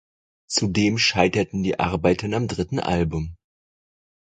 Zudem scheiterten die Arbeiten am dritten Album.